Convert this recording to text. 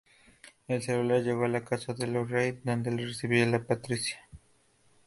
El celular llegó a la casa de los Reid, donde lo recibió Patricia.